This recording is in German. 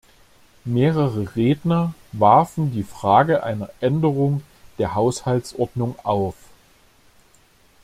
Mehrere Redner warfen die Frage einer Änderung der Haushaltsordnung auf.